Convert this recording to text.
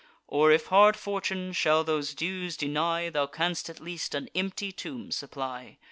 Or, if hard fortune shall those dues deny, Thou canst at least an empty tomb supply.